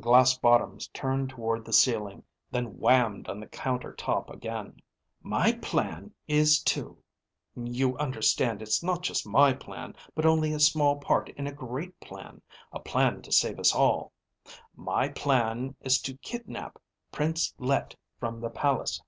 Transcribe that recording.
Glass bottoms turned toward the ceiling, then whammed on the counter top again. "My plan is to you understand it's not just my plan, but only a small part in a great plan, a plan to save us all my plan is to kidnap Prince Let from the palace.